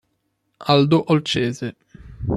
Aldo Olcese